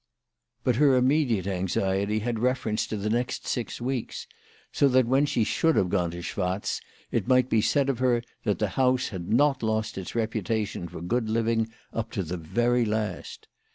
But her immediate anxiety had reference to the next six weeks, so that when she should have gone to Schwatz it might be said of her that the house had not lost its reputation for good living up to the very last.